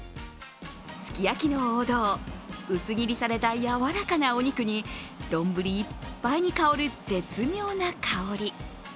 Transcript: すき焼きの王道、薄切りされたやわらかなお肉にどんぶりいっぱいに香る絶妙な香り。